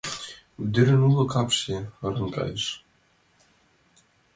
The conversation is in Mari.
Ӱдырын уло капше ырен кайыш.